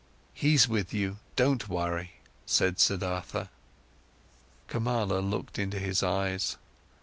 "He's with you, don't worry," said Siddhartha. Kamala looked into his eyes.